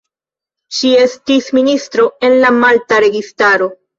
Ŝi estis ministro en la malta registaro.